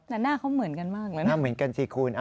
แต่หน้าเขาเหมือนกันมากเลยหน้าเหมือนกันสิคุณ